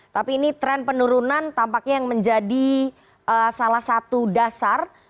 tapi ini tren penurunan tampaknya yang menjadi salah satu dasar